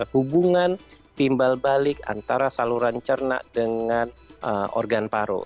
hubungan timbal balik antara saluran cerna dengan organ paru